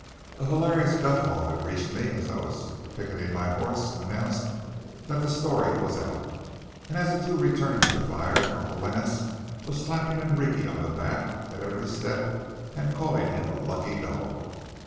A hilarious guffaw that reached me as I was picketing my horse announced that the story was out, and as the two returned to the fire Uncle Lance was slapping Enrique on the back at every step and calling him a lucky dog.